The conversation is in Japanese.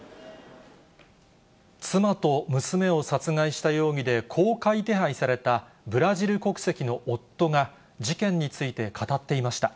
妻と娘を殺害した容疑で公開手配されたブラジル国籍の夫が、事件について語っていました。